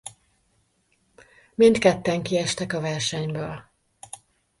Mindketten kiestek a versenyből.